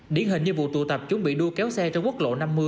điển hình như vụ tụ tập chuẩn bị đua kéo xe trên quốc lộ năm mươi